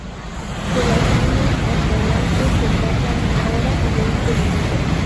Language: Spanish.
Desde las minas hasta el alto se tarda una hora y veinte minutos.